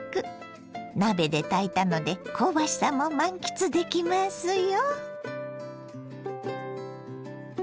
鍋で炊いたので香ばしさも満喫できますよ。